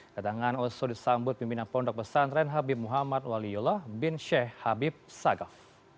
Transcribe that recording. ketangan uso disambut pimpinan pondok pesantren habib muhammad waliullah bin sheikh habib sagaf